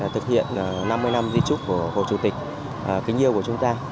tuy trúc của hồ chủ tịch kính yêu của chúng ta